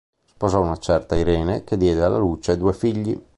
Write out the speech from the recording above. Sposò una certa Irene, che diede alla luce due figli.